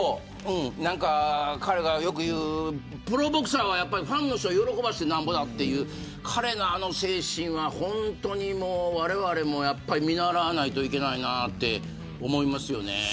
彼がよく言う、プロボクサーはファンの人を喜ばせてなんぼだという彼のあの精神は本当にわれわれも見習わないといけないなと思いますよね。